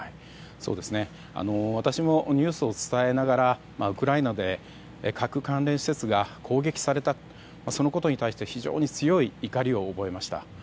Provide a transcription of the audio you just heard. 私もニュースを伝えながらウクライナで核関連施設が攻撃されたそのことに対して非常に強い怒りを覚えました。